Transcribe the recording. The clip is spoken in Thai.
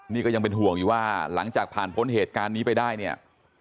นี่ก็ยังเป็นห่วงอยู่ว่าหลังจากผ่านพ้นเหตุการณ์นี้ไปได้เนี่ย